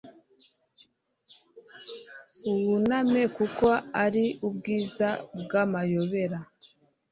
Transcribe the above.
Wuname kuko ari ubwiza bwamayobera